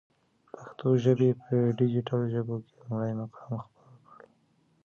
پښتو ژبی په ډيجيټل ژبو کی لمړی مقام خپل کړ.